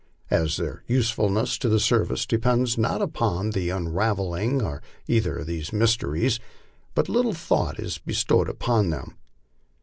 As their usefulness to the service depends not upon the unravelling of either of these mysteries, but little thought is be stowed upon them.